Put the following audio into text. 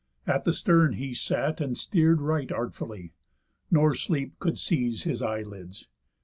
At the stern he sat, And steer'd right artfully. Nor sleep could seize His eye lids.